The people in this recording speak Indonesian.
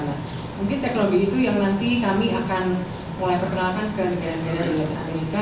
nah mungkin teknologi itu yang nanti kami akan mulai perkenalkan ke negara negara amerika